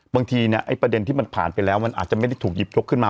บางทีเนี่ยไอ้ประเด็นที่มันผ่านไปแล้วมันอาจจะไม่ได้ถูกหยิบยกขึ้นมา